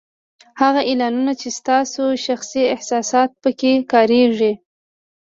هغه اعلانونه چې ستاسو شخصي احساسات په کې کارېږي